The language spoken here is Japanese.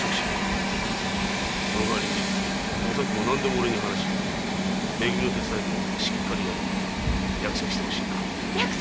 その代わりお咲も何でもおれに話し「め組」の手伝いもしっかりやると約束してほしいな。